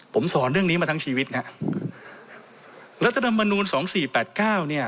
ผมสอนเรื่องนี้มาทั้งชีวิตครับรัฐธรรมนูลศพ๒๔๘๙นี่